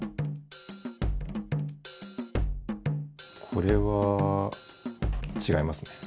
これはちがいますね。